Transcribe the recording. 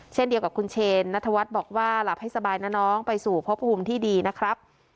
เช่นเดียวกับคุณเชนนัทวัฒน์บอกว่าหลับให้สบายนะน้องไปสู่พบภูมิที่ดีนะครับ